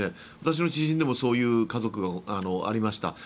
私の知人でもそういう家族がありました。